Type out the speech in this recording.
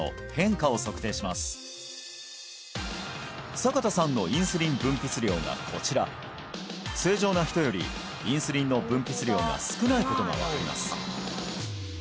坂田さんのインスリン分泌量がこちら正常な人よりインスリンの分泌量が少ないことが分かります